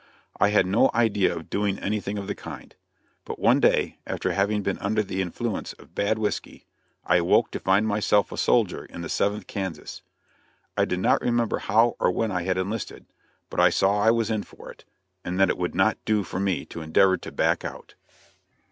I had no idea of doing anything of the kind; but one day, after having been under the influence of bad whisky, I awoke to find myself a soldier in the Seventh Kansas. I did not remember how or when I had enlisted, but I saw I was in for it, and that it would not do for me to endeavor to back out.